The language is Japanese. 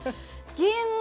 ゲームは。